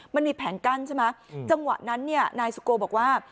มันมีแผงกั้นใช่ไหมจังหวะนั้นเนี่ยนายสุโกบอกว่า